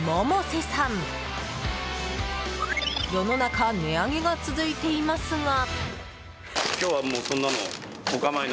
世の中、値上げが続いていますが。